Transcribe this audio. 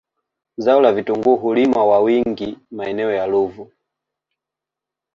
Zao la vitungui hulimwa wa wingi maeneo ya Ruvu